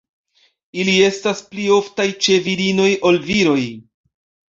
Ili estas pli oftaj ĉe virinoj ol viroj.